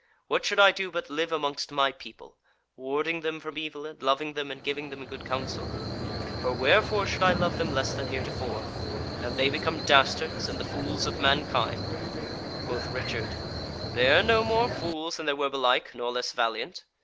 What should I do but live amongst my people, warding them from evil, and loving them and giving them good counsel? For wherefore should I love them less than heretofore? Have they become dastards, and the fools of mankind?" Quoth Richard: "They are no more fools than they were belike, nor less valiant.